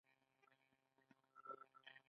ایا مصنوعي ځیرکتیا د انساني حافظې ارزښت نه کموي؟